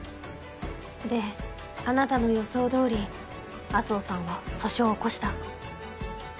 であなたの予想通り麻生さんは訴訟を起こした。